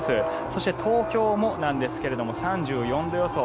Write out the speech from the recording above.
そして、東京もなんですが３４度予想。